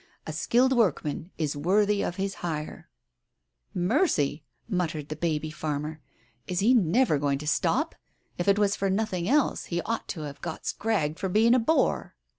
A skilled workman is worthy of his hire " Digitized by Google THE COACH 151 "Mercy! M muttered the baby farmer. "Is he never going to stop ? If it was for nothing else, he ought to have got scragged for being a bore